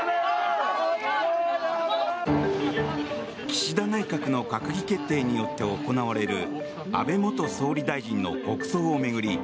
岸田内閣の閣議決定によって行われる安倍元総理大臣の国葬を巡り